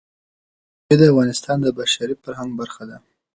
مېوې د افغانستان د بشري فرهنګ برخه ده.